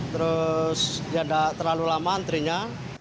terus ya nggak terlalu lama antrinya